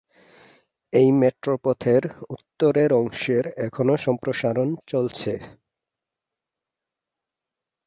এই মেট্রো পথের উত্তরের অংশের এখনও সম্প্রসারণ চলছে।